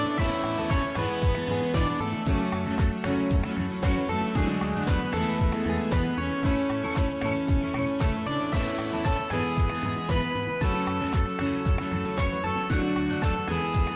สวัสดีครับสวัสดีครับ